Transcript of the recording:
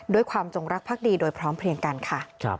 จงรักภักดีโดยพร้อมเพลียงกันค่ะ